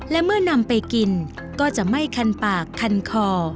และเมื่อนำไปกินก็จะไม่คันปากคันคอ